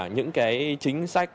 những cái chính sách